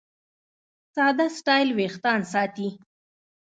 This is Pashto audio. ساده سټایل وېښتيان ساتي.